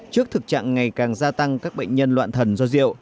trước thực trạng ngày càng gia tăng các bệnh nhân loạn thần do rượu